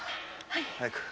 早く。